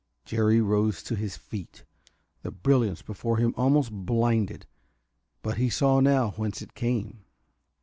Jerry rose to his feet; the brilliance before him almost blinded, but he saw now whence it came.